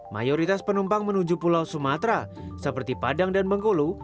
mayoritas penumpang menuju pulau sumatera seperti padang dan bengkulu